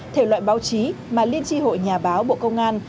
thể loại báo chí mà liên tri hội nhà báo bộ công an